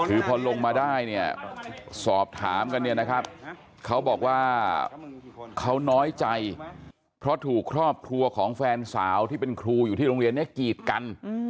คือพอลงมาได้เนี่ยสอบถามกันเนี่ยนะครับเขาบอกว่าเขาน้อยใจเพราะถูกครอบครัวของแฟนสาวที่เป็นครูอยู่ที่โรงเรียนเนี่ยกีดกัน